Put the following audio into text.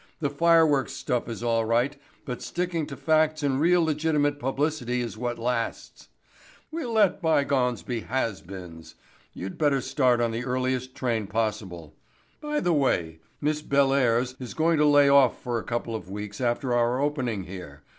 "The fireworks stuff is all right, but sticking to facts and real legitimate publicity is what lasts. We'll let by gones be has beens. You'd better start on the earliest train possible. By the way, Miss Bellairs is going to lay off for a couple of weeks after our opening here.